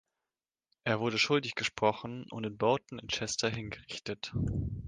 Er wurde schuldig gesprochen und in Boughton in Chester hingerichtet.